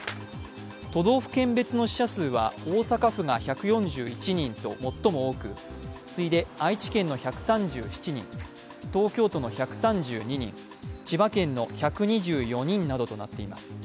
都道府県別の死者数は大阪府が１４１人と最も多く次いで愛知県の１３７人、東京都の１３２人、千葉県の１２４人などとなっています